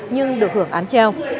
nhưng được hưởng án treo